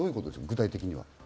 具体的に。